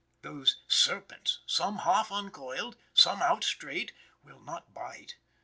Those serpents, some half uncoiled, some out straight, will not bite.